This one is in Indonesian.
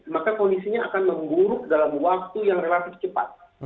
maka kondisinya akan memburuk dalam waktu yang relatif cepat